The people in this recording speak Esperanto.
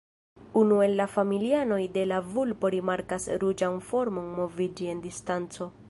Unu el la familianoj de la vulpo rimarkas ruĝan formon moviĝi en distanco.